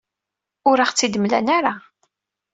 Ur aɣ-tt-id-mlan ara.